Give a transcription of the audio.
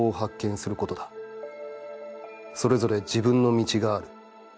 それぞれ自分の道がある。